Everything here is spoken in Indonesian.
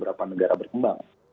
beberapa negara berkembang